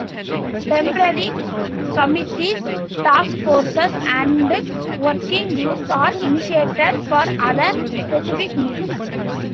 Temporary committees, task forces, and working groups are initiated for other specific needs.